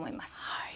はい。